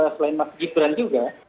selain mas gibran juga